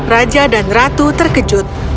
raja dan ratu terkejut